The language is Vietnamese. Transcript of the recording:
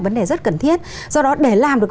vấn đề rất cần thiết do đó để làm được